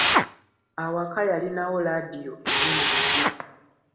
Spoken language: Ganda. Awaka yalinawo laadiyo ennene enzibu.